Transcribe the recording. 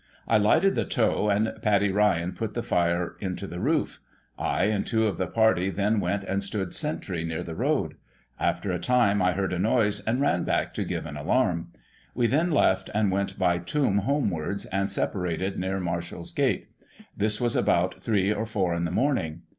I lighted the tow, and Paddy Ryan put the fire into the roof. I and two of the party then went and stood sentry near the road. After a time, I heard a noise, and lan back to give an alarm. We then left, and went by Toom homewards, and separated near Marshall's gate; this was about three or four in the morning.